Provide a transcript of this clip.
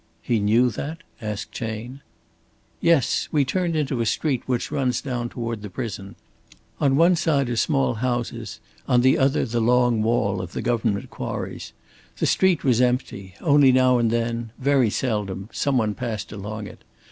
'" "He knew that?" asked Chayne. "Yes. We turned into a street which runs down toward the prison. On one side are small houses, on the other the long wall of the Government quarries. The street was empty; only now and then very seldom some one passed along it.